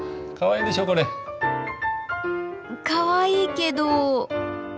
かわいいけど。